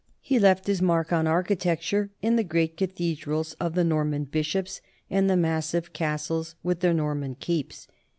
He left his mark on architecture in the great cathedrals of the Norman bishops and the massive castles with their Norman keeps.